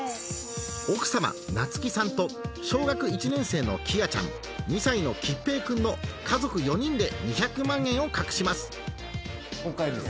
奥様菜月さんと小学１年生のきあちゃん２歳のきっぺいくんの家族４人で２００万円を隠します